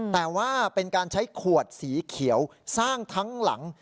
แต่ว่าเป็นการใช้ขวดสีเขียวสร้างทั้งหลัง